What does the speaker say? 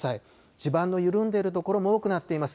地盤の緩んでいる所も多くなっています。